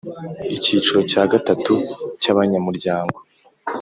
Icyiciro cya gatatu cy’abanyamuryango